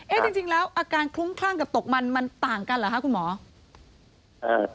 จริงแล้วอาการคลุ้มคลั่งกับตกมันมันต่างกันเหรอคะคุณหมอ